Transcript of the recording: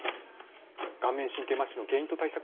顔面神経まひの原因と対策